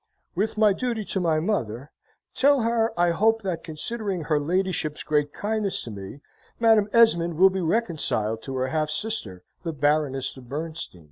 With my duty to my mother, tell her, I hope, that considering her ladyship's great kindness to me, Madam Esmond will be reconciled to her half sister, the Baroness de Bernstein.